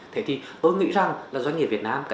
thế thì tôi nghĩ rằng doanh nghiệp việt nam